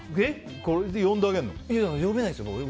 呼べないですよ。